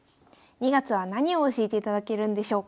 ２月は何を教えていただけるんでしょうか？